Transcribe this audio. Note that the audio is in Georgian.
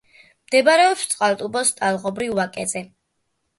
მდებარეობს წყალტუბოს ტალღობრივ ვაკეზე.